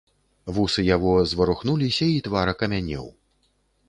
Вусы яго зварухнуліся і твар акамянеў.